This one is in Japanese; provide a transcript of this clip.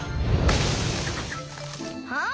あ？